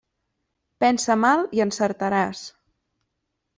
Pensa mal i encertaràs.